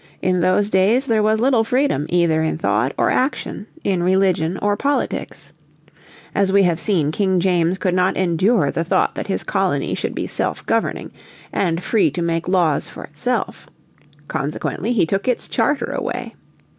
In those days there was little freedom either in thought or action, in religion or politics. As we have seen King James could not endure the thought that his colony should be self governing and free to make laws for itself. Consequently he took its charter away.